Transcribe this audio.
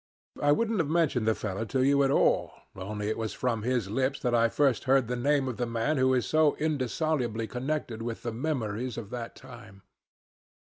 I wouldn't have mentioned the fellow to you at all, only it was from his lips that I first heard the name of the man who is so indissolubly connected with the memories of that time.